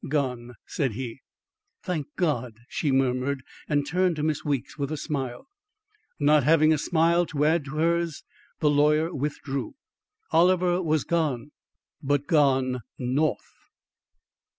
"Gone," said he. "Thank God!" she murmured and turned to Miss Weeks with a smile. Not having a smile to add to hers, the lawyer withdrew. Oliver was gone but gone north.